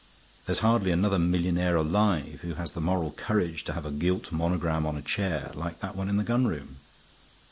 There's hardly another millionaire alive who has the moral courage to have a gilt monogram on a chair like that one in the gun room.